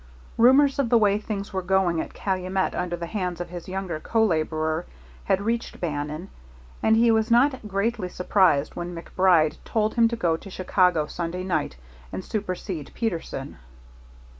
Rumors of the way things were going at Calumet under the hands of his younger co laborer had reached Bannon, and he was not greatly surprised when MacBride told him to go to Chicago Sunday night and supersede Peterson.